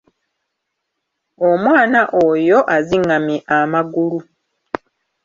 Omwana oyo azingamye amagulu.